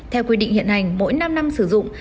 theo quy định hiện hành mỗi năm năm sử dụng